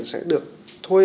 sẽ được thuê